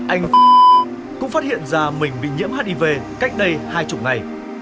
anh cũng phát hiện ra mình bị nhiễm hiv cách đây hai mươi ngày